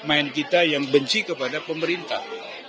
bek main kita yang benci kepada pemerintah